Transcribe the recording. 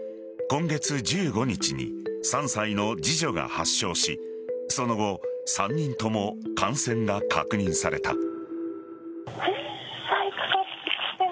今月１５日に３歳の次女が発症しその後３人とも感染が確認された。